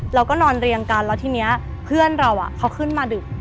เราก็นอนเรียงกันแล้วทีนี้เพื่อนเราเขาขึ้นมาดึก